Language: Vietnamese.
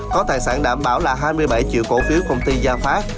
có tài sản đảm bảo là hai mươi bảy triệu cổ phiếu công ty gia phát